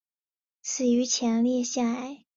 死于前列腺癌。